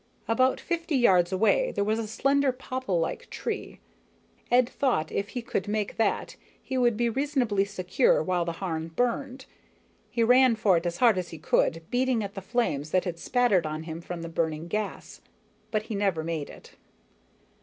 About fifty yards away there was a slender, popplelike tree. Ed had thought if he could make that, he would be reasonably secure while the Harn burned. He ran for it as hard as he could, beating at the flames that had spattered on him from the burning gas, but he never made it.